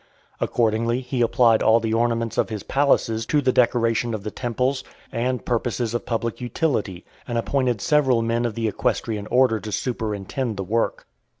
Accordingly, he applied all the ornaments of his palaces to the decoration of the temples, and purposes of public utility, and appointed several men of the equestrian order to superintend the work.